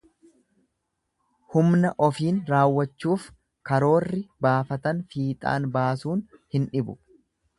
Humna ofiin raawwachuuf karoorri baafatan fiixaan baasuun hin dhibu.